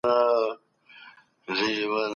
مشرانو به د سولي تاريخي تړون لاسليک کړی وي.